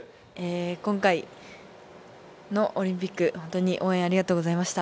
今回のオリンピック、本当に応援ありがとうございました。